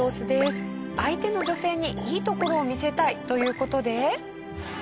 相手の女性にいいところを見せたいという事で。